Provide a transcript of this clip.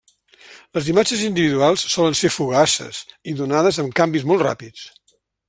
Les imatges individuals solen ser fugaces i donades amb canvis molt ràpids.